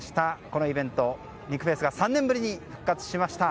このイベント肉フェスが３年ぶりに復活しました。